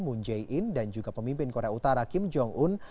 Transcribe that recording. moon jae in dan juga pemimpin korea utara kim jong un